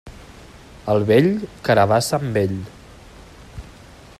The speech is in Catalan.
Al vell, carabassa amb ell.